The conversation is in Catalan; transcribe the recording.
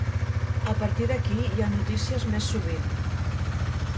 A partir d’aquí hi ha notícies més sovint.